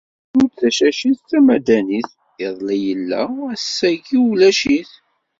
Icudd tacacit d tamadanit, iḍelli yella ass-agi ulac-it.